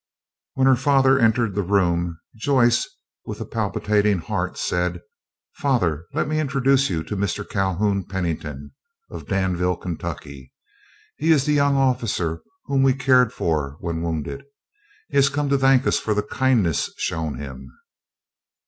When her father entered the room Joyce, with a palpitating heart, said: "Father, let me introduce you to Mr. Calhoun Pennington, of Danville, Kentucky. He is the young officer whom we cared for when wounded. He has come to thank us for the kindness shown him."